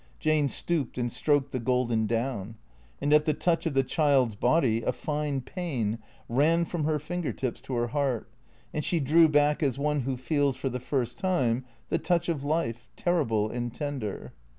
Jane stooped and stroked the golden down. And at the touch of the child's body, a fine pain ran from her finger tips to her heart, and she drew back, as one who feels, for the first time, the touch of life, terrible and tender.